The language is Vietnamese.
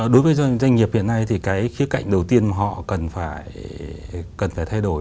đối với doanh nghiệp hiện nay thì cái khía cạnh đầu tiên mà họ cần phải thay đổi